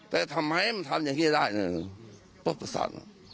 แต่ทำให้มันทำอย่างเฮี้ยได้เนี่ยปุ๊บประสาน